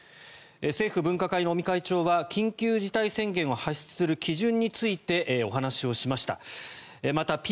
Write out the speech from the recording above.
政府分科会の尾身会長は緊急事態宣言を発出する基準についてお話をしました。